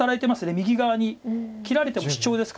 右側に切られてもシチョウですから。